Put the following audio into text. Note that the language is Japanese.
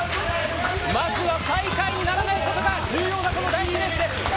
まずは最下位にならないことが重要な第１レースです。